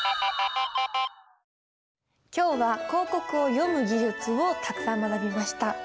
今日は広告を読む技術をたくさん学びました。